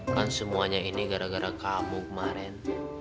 kan semuanya ini gara gara kamu kemaren